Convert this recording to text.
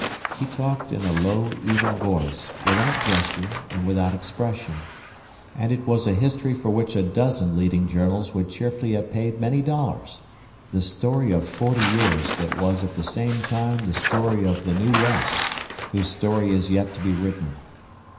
He talked in a low, even voice, without gesture and without expression; and it was a history for which a dozen leading journals would cheerfully have paid many dollars the story of forty years that was at the same time the story of the New West, whose story is yet to be written.